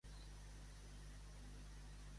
Què distingeix cada agent de policia?